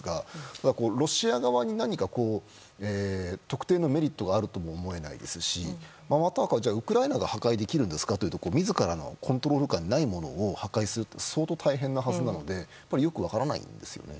ただ、ロシア側に何か特定のメリットがあるとも思えないですしじゃあウクライナが破壊できるかというと自らのコントロール下にないものを破壊するって相当大変なはずなので、やっぱりよく分からないんですよね。